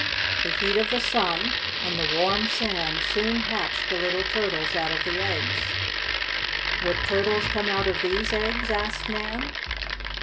The heat of the sun, and the warm sand soon hatch the little turtles out of the eggs." "Would turtles come out of these eggs?" asked Nan.